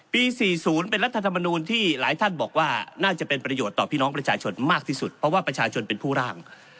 ๔๐เป็นรัฐธรรมนูลที่หลายท่านบอกว่าน่าจะเป็นประโยชน์ต่อพี่น้องประชาชนมากที่สุดเพราะว่าประชาชนเป็นผู้ร่าง